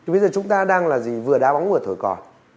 bây giờ chúng ta đang là gì vừa đá bóng vừa thổi còi